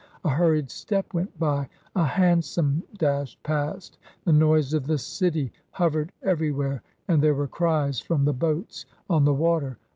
A hurried step went by. A hansom dashed past The noise of the city hovered everywhere, and there were cries from the boats on the water.